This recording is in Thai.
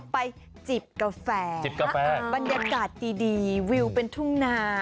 จิบกาแฟจิบกาแฟบรรยากาศดีวิวเป็นทุ่งนา